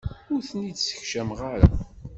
Ur ten-id-ssekcam ara.